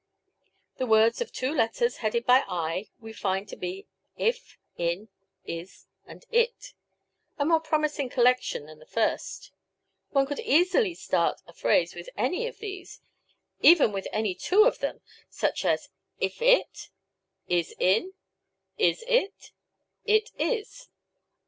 The words of two letters headed by i we find to be if, in, is and it. A more promising collection than the first. One could easily start a phrase with any of these, even with any two of them such as If it, Is in, Is it, It is.